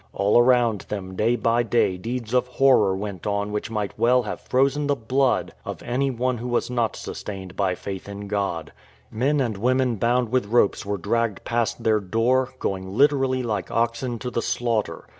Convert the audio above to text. All around them day by day deeds of horror went on which might well have frozen the blood of any one who was not sustained by faith in God. Men and women bound with ropes were dragged past their door, going literally like oxen to the slaughter.